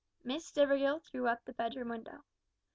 Miss Stivergill threw up the bedroom window.